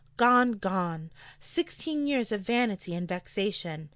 Gone, gone sixteen years of vanity and vexation.